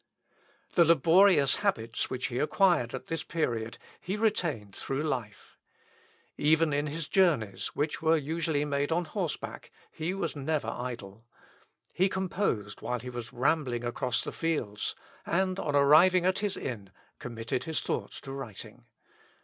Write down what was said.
The laborious habits which he acquired at this period he retained through life. Even in his journeys, which were usually made on horseback, he was never idle. He composed while he was rambling across the fields, and, on arriving at his inn, committed his thoughts to writing.